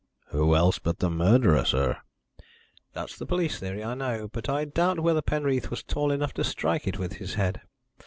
"Who else but the murderer, sir?" "That's the police theory, I know, but I doubt whether Penreath was tall enough to strike it with his head.